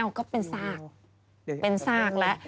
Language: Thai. ก็เป็นซากเป็นซากแล้ว